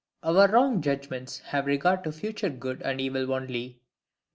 Our wrong judgments have regard to future good and evil only.